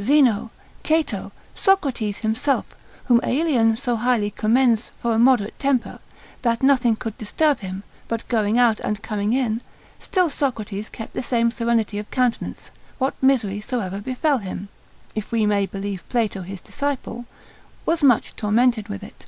Zeno, Cato, Socrates himself, whom Aelian so highly commends for a moderate temper, that nothing could disturb him, but going out, and coming in, still Socrates kept the same serenity of countenance, what misery soever befell him, (if we may believe Plato his disciple) was much tormented with it.